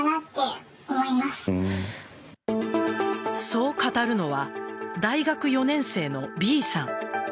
そう語るのは大学４年生のＢさん。